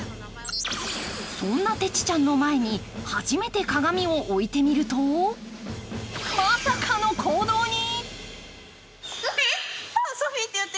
そんなテチちゃんの前に初めて鏡を置いてみるとまさかの行動に！